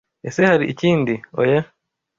"ese Hari ikindi?" "Oya,